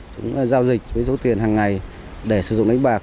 chúng ta giao dịch với số tiền hằng ngày để sử dụng đánh bạc